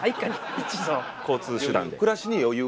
交通手段で。